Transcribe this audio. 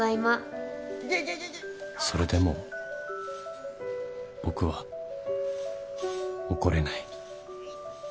それでも僕は怒れない。